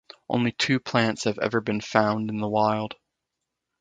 Only two plants have ever been found in the wild.